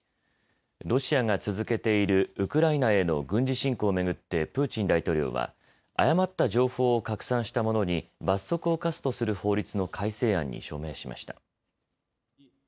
ロシアが続けているウクライナへの軍事侵攻を巡ってプーチン大統領は誤った情報を拡散した者に罰則を科すとする法律の改正案に署名しました。